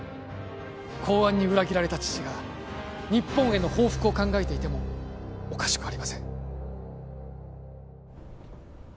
公安に裏切られた父が日本への報復を考えていてもおかしくありません